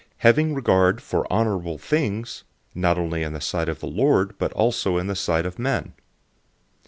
008:021 Having regard for honorable things, not only in the sight of the Lord, but also in the sight of men.